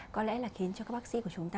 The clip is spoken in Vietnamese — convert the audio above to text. có lẽ là khiến cho các bác sĩ của chúng ta